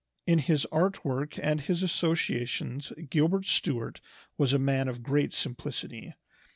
In his art work and his associations Gilbert Stuart was a man of great simplicity.